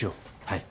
はい。